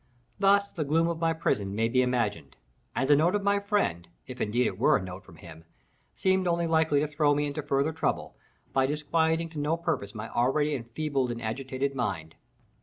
Thus the gloom of my prison may be imagined, and the note of my friend, if indeed it were a note from him, seemed only likely to throw me into further trouble, by disquieting to no purpose my already enfeebled and agitated mind.